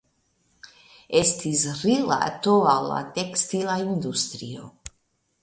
Estis rilato al la tekstila industrio.